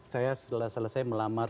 saya setelah selesai melamar